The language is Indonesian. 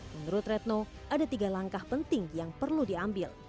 menurut retno ada tiga langkah penting yang perlu diambil